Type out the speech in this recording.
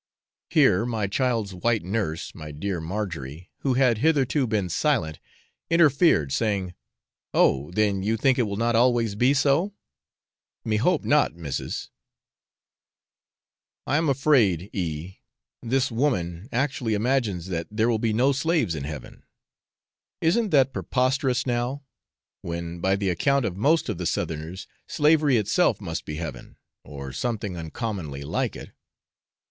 Here my child's white nurse, my dear Margery, who had hitherto been silent, interfered, saying, 'Oh, then you think it will not always be so?' 'Me hope not, missis.' I am afraid, E , this woman actually imagines that there will be no slaves in Heaven; isn't that preposterous now? when by the account of most of the Southerners slavery itself must be Heaven, or something uncommonly like it.